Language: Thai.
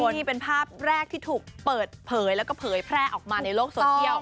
นี่เป็นภาพแรกที่ถูกเปิดเผยแล้วก็เผยแพร่ออกมาในโลกโซเชียล